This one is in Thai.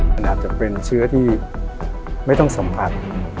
มันอาจจะเป็นเชื้อที่ไม่ต้องสัมผัส